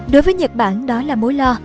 đối với nhật bản đó là mối lo